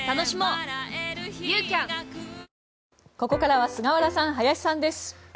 ここからは菅原さん、林さんです。